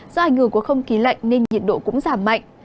do ảnh hưởng của không khí lạnh nên nhiệt độ cũng giảm mạnh